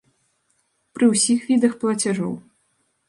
Пры ўсіх відах плацяжоў.